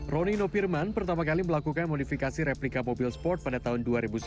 ronny no firman pertama kali melakukan modifikasi replika mobil sport pada tahun dua ribu satu